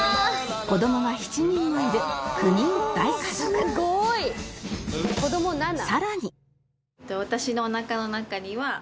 子どもが７人もいる９人大家族合計で。